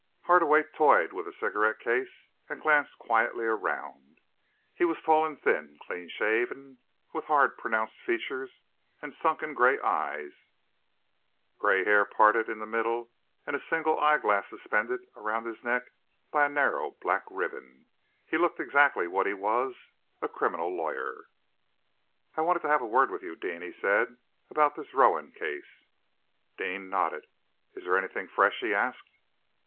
Hardaway toyed with a cigarette case, and glanced quietly around. He was tall and thin, clean shaven, with hard, pronounced features and sunken eyes, gray hair parted in the middle, and a single eyeglass suspended around his neck by a narrow black ribbon. He looked exactly what he was a criminal lawyer. "I wanted to have a word with you, Deane," he said, "about this Rowan case." Deane nodded. "Is there anything fresh?" he asked.